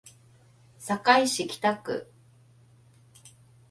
堺市北区